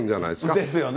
ですよね。